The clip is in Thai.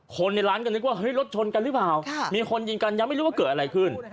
คนในร้านก็นึกว่าเฮ้ยรถชนกันหรือเปล่ามีคนยิงกันยังไม่รู้ว่าเกิดอะไรขึ้น